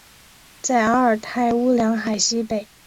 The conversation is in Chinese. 在阿尔泰乌梁海西北。